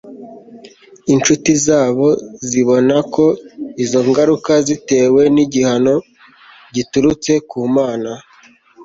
Inshuti zabo zibona ko izo ngaruka zitewe nigihano giturutse ku Mana